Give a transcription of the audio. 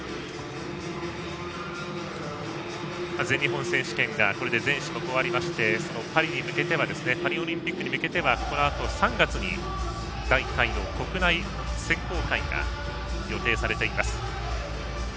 全日本選手権がこれで全種目終わりましてパリオリンピックに向けてはこのあと３月に第１回の国内選考会が予定されています。